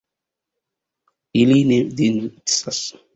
Ili ne denuncas.